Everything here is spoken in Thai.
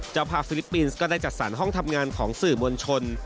เจ้าภาพฟิลิปปินส์ก็ได้จัดสรรห้องทำงานของสื่อมวลชน